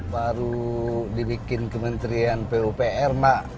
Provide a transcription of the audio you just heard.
baru dibikin kementerian pupr mak